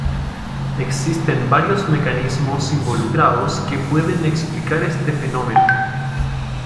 Existen varios mecanismos involucrados que pueden explicar este fenómeno.